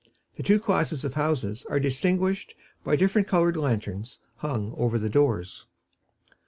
The two classes of houses are distinguished by different colored lanterns hung over the doors.